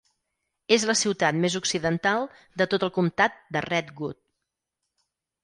És la ciutat més occidental de tot el comtat de Redwood.